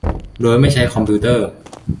โดยไม่ใช้คอมพิงเตอร์